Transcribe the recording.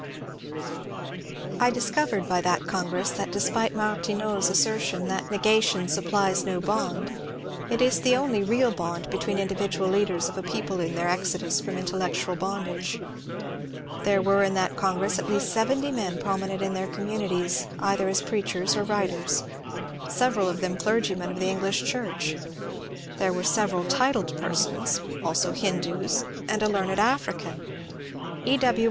MEMBERS OF THE CONGRESS 391 I discovered by that congress that despite Martineau's assertion that ^^ Negation supplies no bond/' it is the only real bond between the individual leaders of a people in their exodus from intellectual bondage. There were in that con gress at least seventy men prominent in their communities either as preachers or writers, several of them clergymen of the English Church ; there were several titled persons, also Hindus, and a learned African, — E. W.